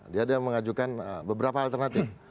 dia mengajukan beberapa alternatif